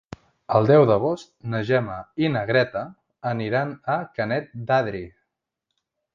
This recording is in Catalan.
El deu d'agost na Gemma i na Greta aniran a Canet d'Adri.